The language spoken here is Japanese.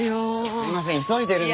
すいません急いでるんで。